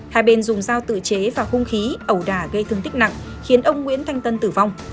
hai bên dùng dao tự chế và hung khí ẩu đà gây thương tích nặng khiến ông nguyễn thanh tân tử vong